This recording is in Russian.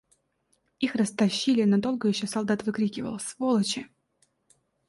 Их растащили, но долго еще солдат выкрикивал: — Сволочи!